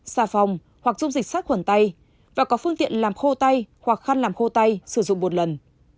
xà phòng hoặc dung dịch sát khuẩn tay và có phương tiện làm khô tay hoặc khăn làm khô tay sử dụng một lần